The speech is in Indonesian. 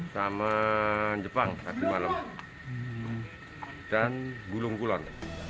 sama jepang tadi malam dan gulung kulon